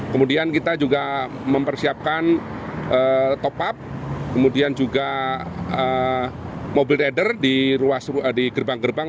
kemudian kita juga mempersiapkan top up kemudian juga mobil eder di gerbang gerbang